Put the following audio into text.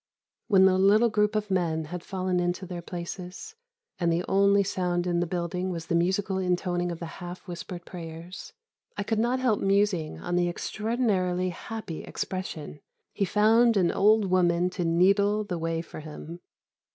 _" When the little group of men had fallen into their places, and the only sound in the building was the musical intoning of the half whispered prayers, I could not help musing on the extraordinarily happy expression, "he found an old woman to needle the way for him."